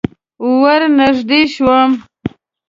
ور نږدې شوم.